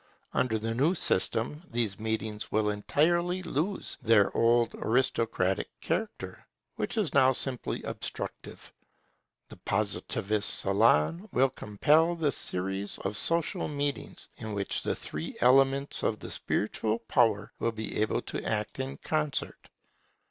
Under the new system these meetings will entirely lose their old aristocratic character, which is now simply obstructive. The Positivist salon will complete the series of social meetings, in which the three elements of the spiritual power will be able to act in concert.